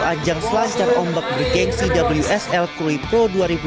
ajang selancar ombak berkengsi wsl kui pro dua ribu dua puluh tiga